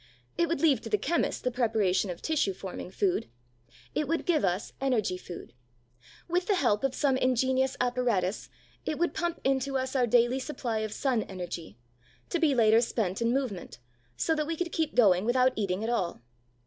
It would leave to the chemist the preparation of tissue forming food; it would give us energy food. With the help of some ingenious apparatus, it would pump into us our daily supply of sun energy, to be later spent in movement, so that we could keep going without eating at all.